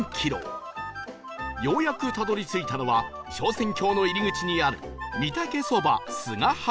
ようやくたどり着いたのは昇仙峡の入り口にある